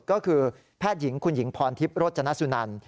ก็คือแพทย์หญิงคุณหญิงพรทิพย์โรจนสุนัน